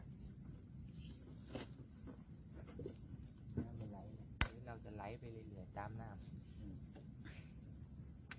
เราจะไหลไปเรียนเรียนตามน้ำอืม